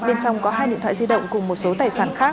bên trong có hai điện thoại di động cùng một số tài sản khác